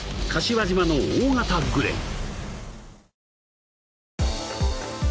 柏島の大型グレ！